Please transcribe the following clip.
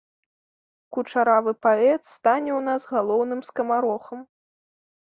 Кучаравы паэт стане ў нас галоўным скамарохам.